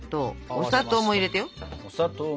お砂糖も入れて。